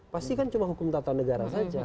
pasti kan cuma hukum tata negara saja